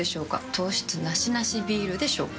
糖質ナシナシビールでしょうか？